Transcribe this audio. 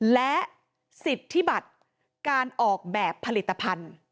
และสิทธิบัตรการออกแบบผลิตภัณฑ์